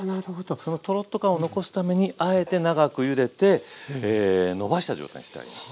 そのトロッと感を残すためにあえて長くゆでてのばした状態にしてあります。